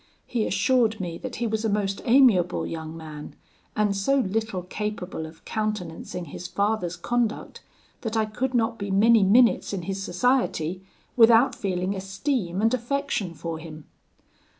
He assured me that he was a most amiable young man, and so little capable of countenancing his father's conduct, that I could not be many minutes in his society without feeling esteem and affection for him.